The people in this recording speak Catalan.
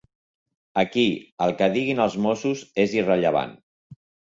Aquí, el que diguin els Mossos és irrellevant.